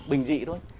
bình dị thôi